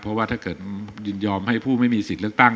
เพราะว่าถ้าเกิดยินยอมให้ผู้ไม่มีสิทธิ์เลือกตั้ง